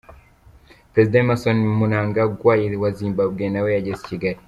Perezida Emmerson Mnangagwa wa Zimbabwe nawe yageze i Kigali.